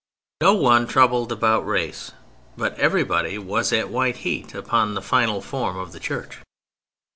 No one troubled about race, but everybody was at white heat upon the final form of the Church.